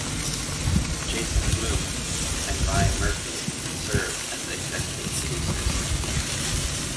Jason Blum and Ryan Murphy serve as executive producers.